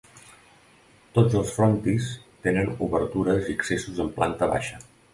Tots els frontis tenen obertures i accessos en planta baixa.